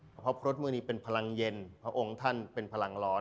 เพราะครสมือนี้เป็นพลังเย็นพระองค์ท่านเป็นพลังร้อน